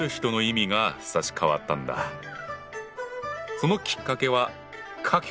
そのきっかけは「科挙」。